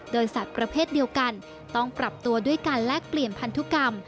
โดยสัตว์ประเภทเดียวกันต้องปรับตัวด้วยการแลกเปลี่ยนพันธุกรรม